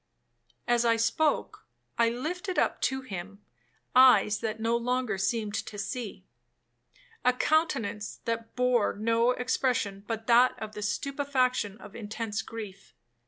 As I spoke, I lifted up to him eyes that no longer seemed to see,—a countenance that bore no expression but that of the stupefaction of intense grief.